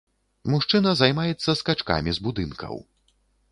Мужчына займаецца скачкамі з будынкаў.